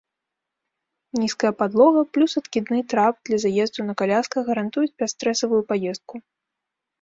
Нізкая падлога плюс адкідны трап для заезду на калясках гарантуюць бясстрэсавую паездку.